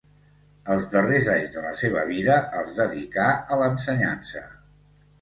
Els darrers anys de la seva vida els dedicà a l'ensenyança.